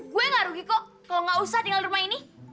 gue gak rugi kok kalau nggak usah tinggal di rumah ini